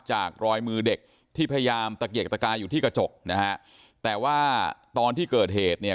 จากรอยมือเด็กที่พยายามตะเกียกตะกายอยู่ที่กระจกนะฮะแต่ว่าตอนที่เกิดเหตุเนี่ย